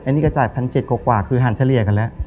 ไอ้นี่ก็จ่ายพันเจ็ดกว่าคือหันเฉลี่ยกันแล้ว